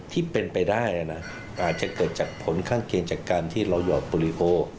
ที่เป็นไปได้นะอาจจะเกิดจากผลข้างเคียงจากการที่เราหอกโปรลิโอ